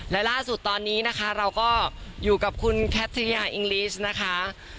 และล่าสุดตอนนี้นะคะเราก็อยู่กับคุณแคทริยาอิงลิสนะคะ